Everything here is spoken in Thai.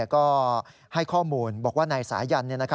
ก็ให้ข้อมูลบอกว่านายสายัน